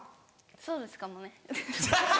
そうですかもね。